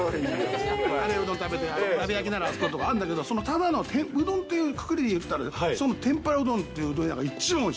カレーうどん食べて、鍋焼きならあそこってあるんだけど、ただのうどんっていうくくりで言ったら、その天ぷらうどんっていううどん屋が一番うまい。